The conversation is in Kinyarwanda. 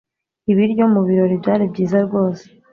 Ibiryo mubirori byari byiza rwose.